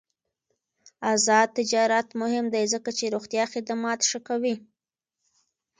آزاد تجارت مهم دی ځکه چې روغتیا خدمات ښه کوي.